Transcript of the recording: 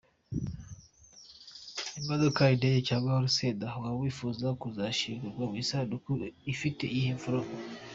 Imodoka, indege, cyangwa urusenda - waba wifuza kuzashingurwa mu isanduku ifite iyihe foroma?.